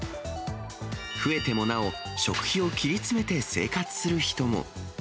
増えてもなお、食費を切り詰めて生活する人も。